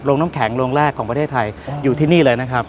น้ำแข็งโรงแรกของประเทศไทยอยู่ที่นี่เลยนะครับ